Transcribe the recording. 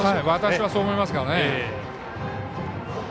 私はそう思いますね。